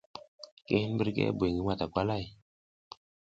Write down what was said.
Ki hin mbirke buy ngi matakwalay.